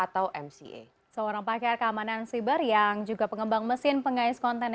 tapi juga keutuhan negara kita